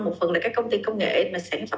một phần là các công ty công nghệ